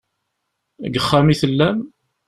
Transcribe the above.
Deg uxxam i tellam?